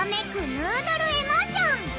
ヌードル・エモーション！